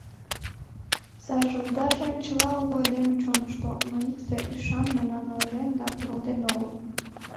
Сайже-удаже — чыла уло айдеме чонышто, но икте, ӰШАН, мемнам ойырен да кудалтен огыл.